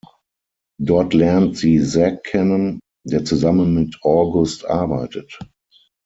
Dort lernt sie Zac kennen, der zusammen mit August arbeitet.